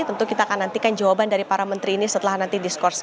tentu kita akan nantikan jawaban dari para menteri ini setelah nanti diskursus